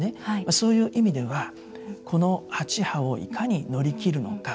そういう意味ではこの８波をいかに乗り切るのか。